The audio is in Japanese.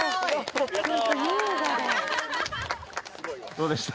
どうでした？